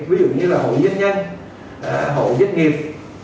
ví dụ như là hội doanh nhân hộ doanh nghiệp